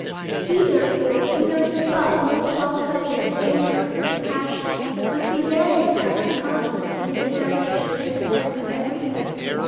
He, therefore, who knows himself most of all subject to anger and passion, must be very exact and constant in his exam ination of this temper every evening.